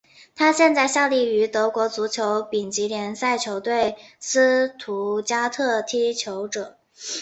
他现在效力于德国足球丙级联赛球队斯图加特踢球者。